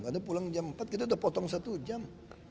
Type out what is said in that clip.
karena pulang jam empat kita sudah potong satu jam